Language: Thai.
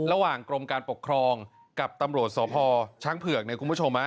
ระหว่างกรมการปกครองกับตำรวจสพช้างเผือกเนี่ยคุณผู้ชม